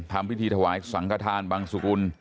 ทำพิธีถวายสังขทานบังสุกุล